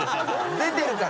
出てるから。